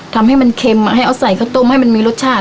ทำให้มันเค็มให้เอาใส่ข้าวต้มให้มันมีรสชาติ